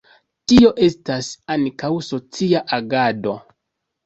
Tio estas ankaŭ socia agado.